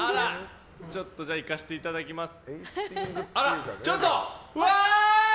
ちょっといかせていただきます。